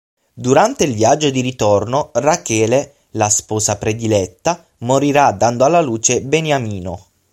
Durante il viaggio di ritorno, Rachele, la sposa prediletta, morirà dando alla luce Beniamino.